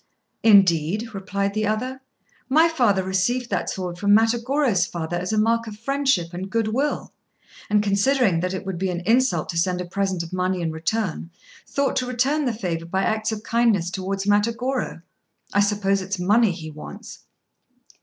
"Indeed," replied the other, "my father received that sword from Matagorô's father as a mark of friendship and good will, and, considering that it would be an insult to send a present of money in return, thought to return the favour by acts of kindness towards Matagorô. I suppose it is money he wants."